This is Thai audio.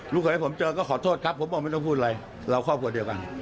เคยให้ผมเจอก็ขอโทษครับผมบอกไม่ต้องพูดอะไรเราครอบครัวเดียวกัน